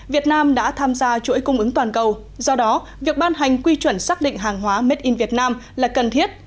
việt nam đã tham gia chuỗi cung ứng toàn cầu do đó việc ban hành quy chuẩn xác định hàng hóa made in việt nam là cần thiết